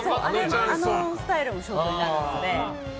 あのスタイルもショートになるんですね。